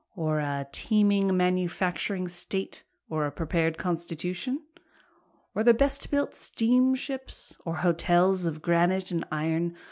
Or a teeming manufacturing state? or a prepared constitution? or the best built steamships? Or hotels of granite and iron?